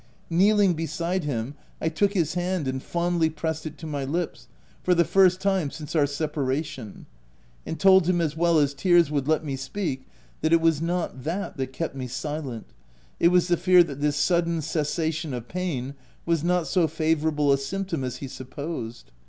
Kneeling beside him, I took his hand and fondly pressed it to my lips — for the first time since our separation — and told him as well as tears would let me speak, that it was not that that kept me silent ; it was the fear that this sudden cessation of pain was not so favourable a symptom as he supposed.